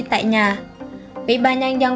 tại nhà bị ba nhanh dân